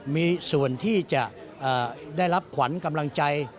มีส่วนที่จะได้รับขวัญกำลังใจ